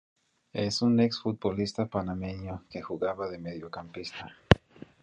Es un ex futbolista panameño que jugaba de mediocampista.